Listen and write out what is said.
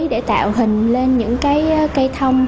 để tạo hình lên những cái cây thông